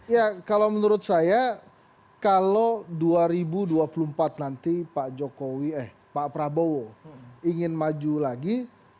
ya kalau menurut saya kalau dua ribu dua puluh empat nanti pak jokowi eh pak prabowo ingin maju lagi